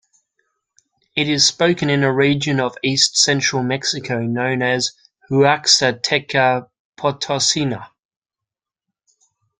It is spoken in a region of east-central Mexico known as the "Huaxteca-Potossina".